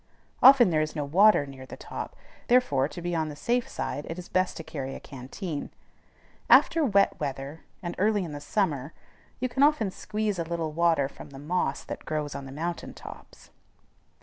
Often there is no water near the top: therefore, to be on the safe side, it is best to carry a canteen. After wet weather, and early in the summer, you can often squeeze a little water from the moss that grows on mountain tops.